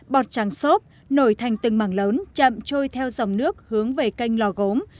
bọt trắng xốp nổi thành từng màng lớn chậm trôi theo dòng nước hướng về canh lò gốm